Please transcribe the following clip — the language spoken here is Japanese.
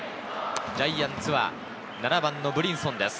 ジャイアンツは７番のブリンソンです。